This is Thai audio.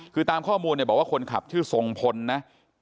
คือตามข้อมูลบอกว่าคนขับชื่อสงพลนะ